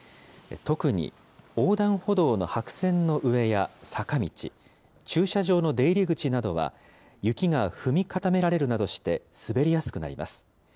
特に横断歩道の白線の上や坂道、駐車場の出入り口などは雪が踏み固められるなどして滑りやすくなります。